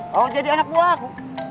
kau jadi anak buah aku